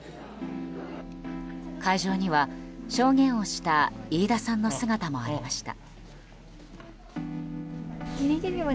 会場には、証言をした飯田さんの姿もありました。